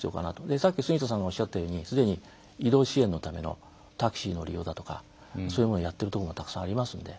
さっき、杉田さんがおっしゃったようにすでに移動支援のためのタクシーの利用やそういうものをやっているところもたくさんありますので。